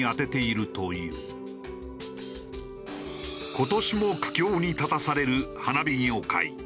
今年も苦境に立たされる花火業界。